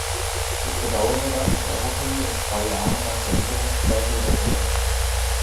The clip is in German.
Ich bedauere das und erhoffe mir in zwei Jahren dank der Änderungsklausel Besserung.